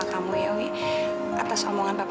aku juga bisa berhubung dengan kamu